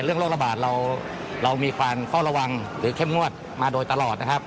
โรคระบาดเรามีความเฝ้าระวังหรือเข้มงวดมาโดยตลอดนะครับ